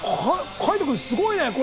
海人君、すごいね。